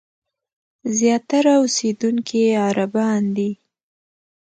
زیاتره اوسېدونکي یې عربان دي.